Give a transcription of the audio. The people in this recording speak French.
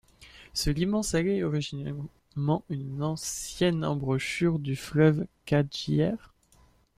Ce liman salé est originellement une ancienne embouchure du fleuve Khadjider.